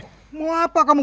kami benar benar lapar